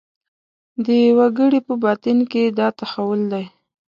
د وګړي په باطن کې دا تحول دی.